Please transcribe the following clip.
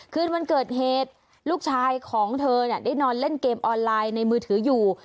คืนวันเกิดเหตุลูกชายของเธอได้นอนเล่นเกมออนไลน์ในมือถืออยู่